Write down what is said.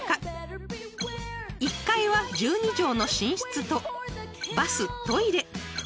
［１階は１２畳の寝室とバストイレ］